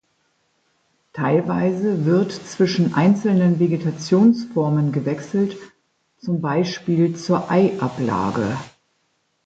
Teilweise wird zwischen einzelnen Vegetationsformen gewechselt, zum Beispiel zur Eiablage.